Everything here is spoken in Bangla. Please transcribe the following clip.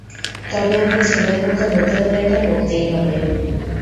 তবে আমার ছেলের মতো হতে হলে এটা করতেই হবে।